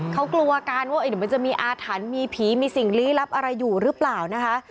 เขากลัวกันว่าเดี๋ยวมันจะมีอาถรรพ์มีผีมีสิ่งลี้ลับอะไรอยู่หรือเปล่านะคะ